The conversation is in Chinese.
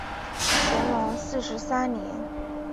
乾隆四十三年。